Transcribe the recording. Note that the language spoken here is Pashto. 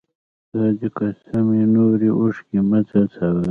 ستا! دي قسم وي نوري اوښکي مه څڅوه